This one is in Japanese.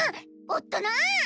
⁉おっとなー！